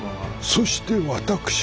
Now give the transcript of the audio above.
そして私。